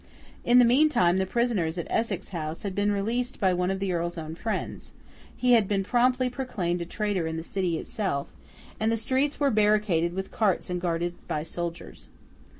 In the meantime the prisoners at Essex House had been released by one of the Earl's own friends; he had been promptly proclaimed a traitor in the City itself; and the streets were barricaded with carts and guarded by soldiers.